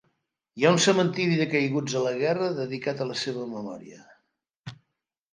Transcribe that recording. Hi ha un cementiri de caiguts a la guerra dedicat a la seva memòria.